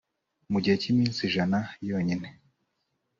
Mu gihe cy iminsi ijana yonyine